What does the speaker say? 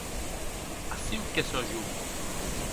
Aciu que sò jo.